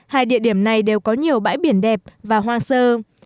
hai địa điểm này đều có nhiều bãi biển đẹp và hoang sơ